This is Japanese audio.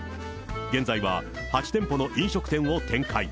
現在は８店舗の飲食店を展開。